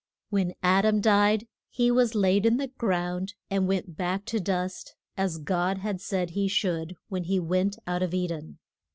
When Ad am died he was laid in the ground and went back to dust, as God had said he should when he went out of E den.